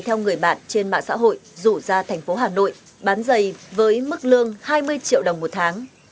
theo người bạn trên mạng xã hội rủ ra thành phố hà nội bán giày với mức lương hai mươi triệu đồng một tháng